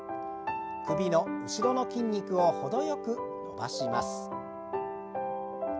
首の後ろの筋肉を程よく伸ばします。